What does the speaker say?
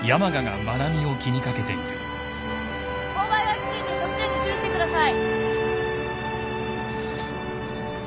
こう配がきついんで測点に注意してください。